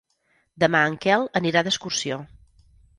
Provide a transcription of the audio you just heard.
Demà en Quel anirà d'excursió.